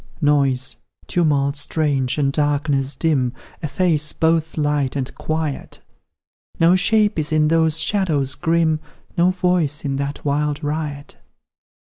Noise, tumult strange, and darkness dim, Efface both light and quiet; No shape is in those shadows grim, No voice in that wild riot.